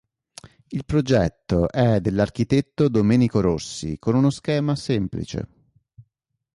Il progetto è dell'architetto Domenico Rossi con uno schema semplice.